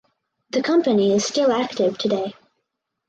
The company is still active today.